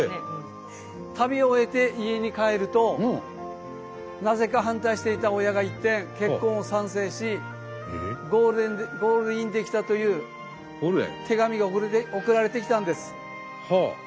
旅を終えて家に帰るとなぜか反対していた親が一転結婚を賛成しゴールインできたという手紙が送られてきたんです。